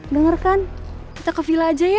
dengarkan kita ke villa aja ya